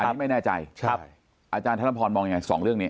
อันนี้ไม่แน่ใจอาจารย์ธนพรมองยังไงสองเรื่องนี้